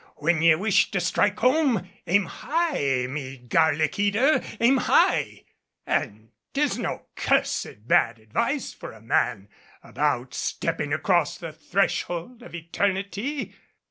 When ye wish to strike home, aim high me garlic eater, aim high! An' 'tis no cursed bad advice for a man about stepping across the threshold of eternity!"